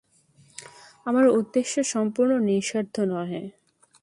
আমার উদ্দেশ্য সম্পূর্ণ নিঃস্বার্থ নহে।